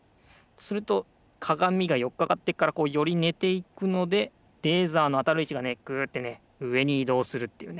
するとかがみがよっかかってるからこうよりねていくのでレーザーのあたるいちがねグッてねうえにいどうするっていうね